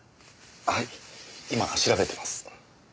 はい今調べてます。